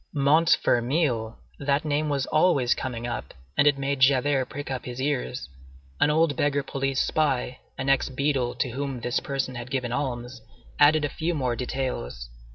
Montfermeil! that name was always coming up, and it made Javert prick up his ears. An old beggar police spy, an ex beadle, to whom this person had given alms, added a few more details.